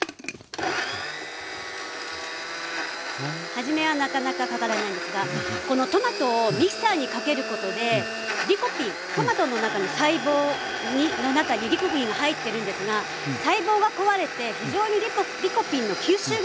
はじめはなかなかかからないんですがこのトマトをミキサーにかけることでリコピントマトの中に細胞の中にリコピンが入ってるんですが細胞が壊れて非常にリコピンの吸収がよくなるんです。